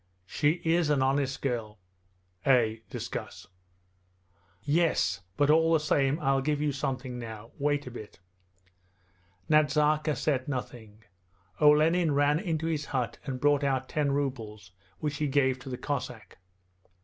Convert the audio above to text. She is an honest girl ' 'Eh, discuss ' 'Yes, but all the same I'll give you something now. Wait a bit!' Nazarka said nothing. Olenin ran into his hut and brought out ten rubles, which he gave to the Cossack.